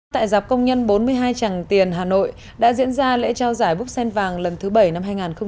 tại dạp công nhân bốn mươi hai tràng tiền hà nội đã diễn ra lễ trao giải búp sen vàng lần thứ bảy năm hai nghìn một mươi sáu